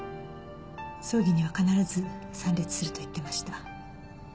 葬儀には必ず参列すると言ってました。